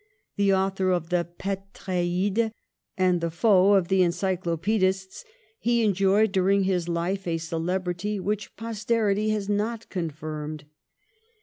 The author of the Petrtide and the foe of the Ency clopaedists, he enjoyed during his life a celebrity which posterity has not confirmed.